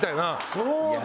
そうだ！